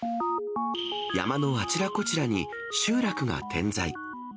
山のあちらこちらに集落が点在。